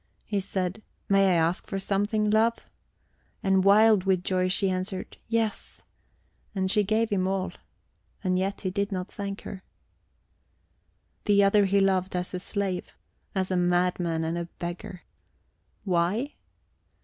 He said: "May I ask for something, love?" And, wild with joy, she answered "Yes." And she gave him all, and yet he did not thank her. The other he loved as a slave, as a madman and a beggar. Why?